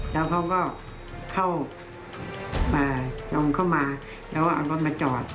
แล้วเขาก็เข้าลงเข้ามาแล้วก็เอารถมาจอด